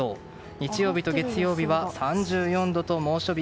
日曜日と月曜日は３４度と猛暑日